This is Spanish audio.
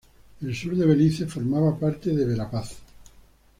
El sur de Belice formaba parte de Verapaz.